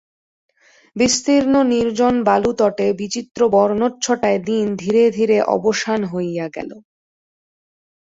বিস্তীর্ণ নির্জন বালুতটে বিচিত্র বর্ণচ্ছটায় দিন ধীরে ধীরে অবসান হইয়া গেল।